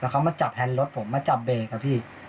แล้วเขามาจับแฮนด์รถผมมาจับเบรก่ะพี่